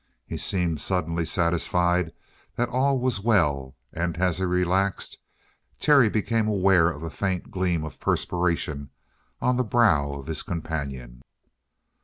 He seemed suddenly satisfied that all was well, and as he relaxed, Terry became aware of a faint gleam of perspiration on the brow of his companion.